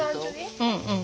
うんうん。